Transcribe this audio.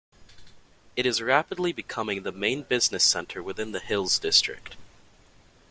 It is rapidly becoming the main business centre within the Hills District.